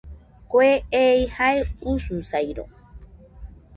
Kue ei jae ususairo